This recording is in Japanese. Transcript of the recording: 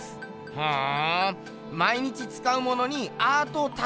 ふん。